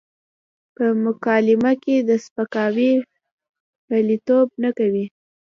په مکالمه کې د سپکاوي پلويتوب نه کوي.